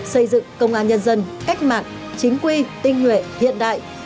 xây dựng công an nhân dân cách mạng chính quy tinh nguyện hiện đại